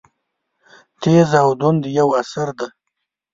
تېز او توند یو اثر دی.